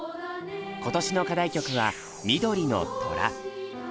今年の課題曲は「緑の虎」。